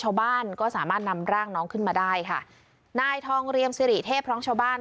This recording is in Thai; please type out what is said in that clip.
ชาวบ้านก็สามารถนำร่างน้องขึ้นมาได้ค่ะนายทองเรียมสิริเทพพร้อมชาวบ้าน